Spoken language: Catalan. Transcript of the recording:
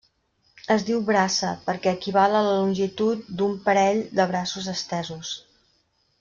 Es diu braça, perquè equival a la longitud d'un parell de braços estesos.